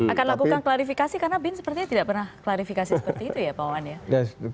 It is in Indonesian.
akan lakukan klarifikasi karena bin sepertinya tidak pernah klarifikasi seperti itu ya pak wawan ya